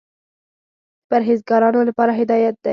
د پرهېزګارانو لپاره هدایت دى.